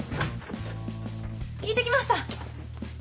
聞いてきました。